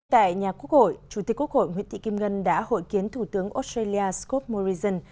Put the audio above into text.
tại nhà quốc hội chủ tịch quốc hội nguyễn thị kim ngân đã hội kiến thủ tướng australia scott morrison